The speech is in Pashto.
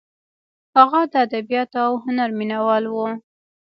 هغه د ادبیاتو او هنر مینه وال و.